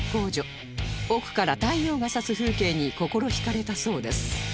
奥から太陽が差す風景に心引かれたそうです